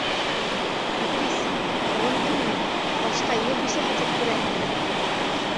— Иҙрис, һыуындыңмы, башҡа ир бисәһе тип күрәһеңме?